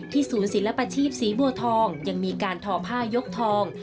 ศูนย์ศิลปชีพศรีบัวทองยังมีการทอผ้ายกทอง